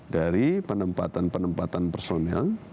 dari penempatan penempatan personil